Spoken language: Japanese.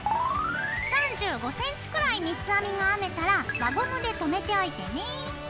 ３５ｃｍくらい三つ編みが編めたら輪ゴムで留めておいてね。